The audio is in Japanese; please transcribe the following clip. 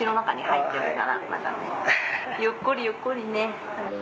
ゆっくりゆっくりね。